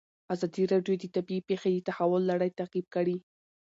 ازادي راډیو د طبیعي پېښې د تحول لړۍ تعقیب کړې.